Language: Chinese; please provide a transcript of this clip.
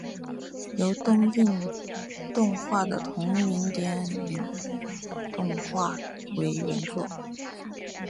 由东映动画的同名电视动画为原作。